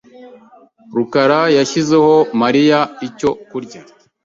rukara yashizeho Mariya icyo kurya .